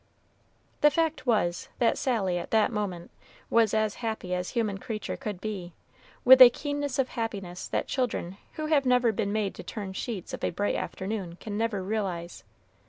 The fact was, that Sally, at that moment, was as happy as human creature could be, with a keenness of happiness that children who have never been made to turn sheets of a bright afternoon can never realize.